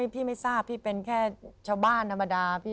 พี่ไม่ทราบเป็นแค่ชาวบ้านนาธาตุ